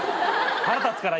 腹立つから今。